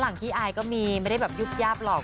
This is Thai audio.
ขี้อายก็มีไม่ได้แบบยุบยับหรอก